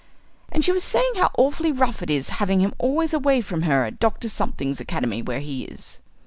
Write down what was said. " and she was saying how awfully rough it is having him always away from her at Dr. Something's academy where he is."